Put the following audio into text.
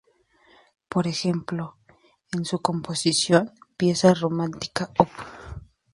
Por ejemplo, en su composición, pieza romántica op.